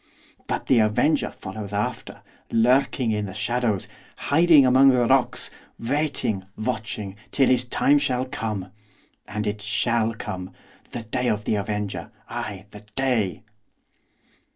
But the avenger follows after, lurking in the shadows, hiding among the rocks, waiting, watching, till his time shall come. And it shall come! the day of the avenger! ay, the day!